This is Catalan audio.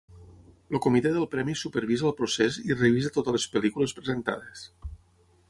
El Comitè del premi supervisa el procés i revisa totes les pel·lícules presentades.